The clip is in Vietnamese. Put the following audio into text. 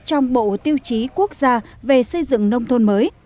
trong bộ tiêu chí quốc gia về xây dựng nông thôn mới